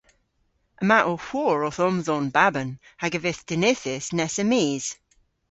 Yma ow hwor owth omdhon baban hag a vydh dinythys nessa mis.